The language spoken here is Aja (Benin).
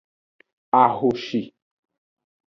Ahoshi.